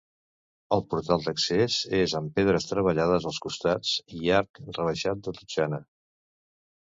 El portal d'accés és amb pedres treballades als costats i arc rebaixat de totxana.